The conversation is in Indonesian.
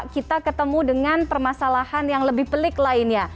kita ketemu dengan permasalahan yang lebih pelik lainnya